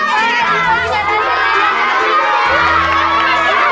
jangan tarik tarik